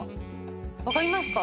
わかりますか？